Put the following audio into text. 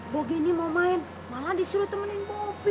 bok gini mau main malah disuruh temenin popi